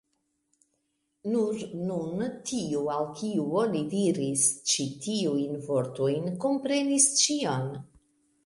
Nur nun tiu, al kiu oni diris ĉi tiujn vortojn, komprenis ĉion.